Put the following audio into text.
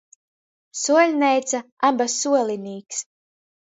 Suoļneica aba suolinīks.